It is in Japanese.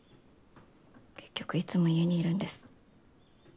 結局いつも家にいるんです。